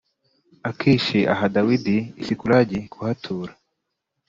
akishi aha dawidi i sikulagi kuhatura